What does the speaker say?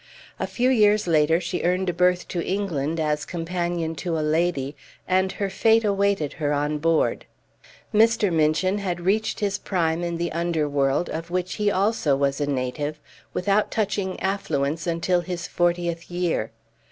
A few years later she earned a berth to England as companion to a lady; and her fate awaited her on board. Mr. Minchin had reached his prime in the underworld, of which he also was a native, without touching affluence, until his fortieth year.